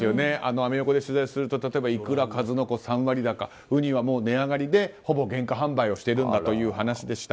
アメ横で取材をすると例えば、いくら、数の子３割高ウニは値上がりでほぼ原価販売をしているという話でした。